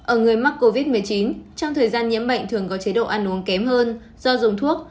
ở người mắc covid một mươi chín trong thời gian nhiễm bệnh thường có chế độ ăn uống kém hơn do dùng thuốc